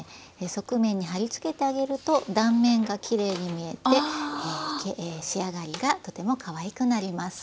側面にはり付けてあげると断面がきれいに見えて仕上がりがとてもかわいくなります。